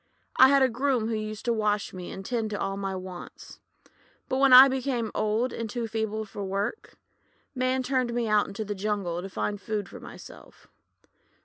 I had a groom who used to wash me and tend to all my wants. But when I became old and too feeble to work, Man turned me out into the jungle to find food for myself.